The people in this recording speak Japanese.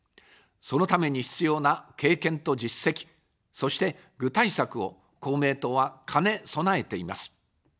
そのために必要な経験と実績、そして具体策を公明党は兼ね備えています。